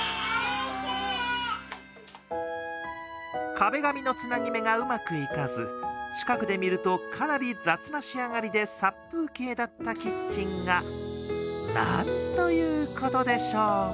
壁紙のつなぎ目がうまくいかず近くで見ると、かなり雑な仕上がりで殺風景だったキッチンが、なんということでしょう。